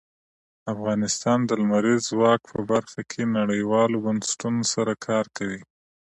افغانستان د لمریز ځواک په برخه کې نړیوالو بنسټونو سره کار کوي.